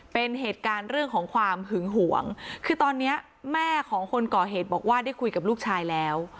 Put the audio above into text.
เป็นเหตุการณ์เรื่องของความหึงหวงคือตอนนี้แม่ของคนก่อเหตุบอกว่าได้คุยกับลูกชายแล้ว